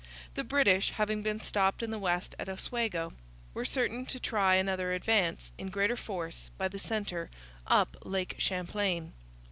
The British, having been stopped in the West at Oswego, were certain to try another advance, in greater force, by the centre, up Lake Champlain.